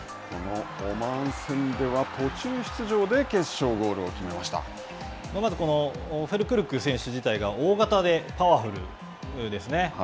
オマーン戦では途中出場で決勝ゴまず、フュルクルク選手自体が大型で、パワフルですね。